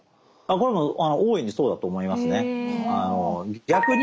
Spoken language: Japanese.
これはもう大いにそうだと思いますね。